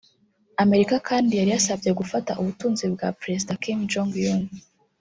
Amerika kandi yari yasabye gufata ubutunzi bwa Perezida Kim Jong-Un